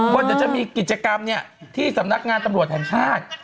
ว่าเดี๋ยวจะมีกิจกรรมที่สำนักงานตำรวจแห่งชาติ